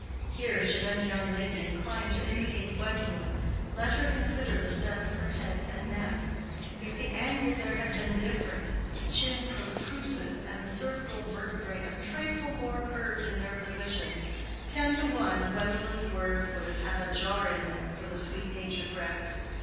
(Here should any young lady incline to imitate Gwendolen, let her consider the set of her head and neck: if the angle there had been different, the chin protrusive, and the cervical vertebrae a trifle more curved in their position, ten to one Gwendolen's words would have had a jar in them for the sweet natured Rex.